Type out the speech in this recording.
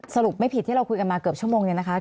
สรุปไม่ผิดที่เราคุยกันมาเกือบชั่วโมงเนี่ยนะคะ